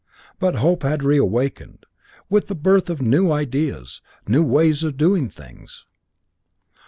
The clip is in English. But hope had reawakened, with the birth of new ideas, new ways of doing things.